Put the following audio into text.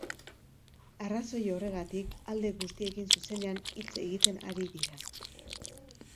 Arrazoi horregatik, alde guztiekin zuzenean hitz egiten ari dira.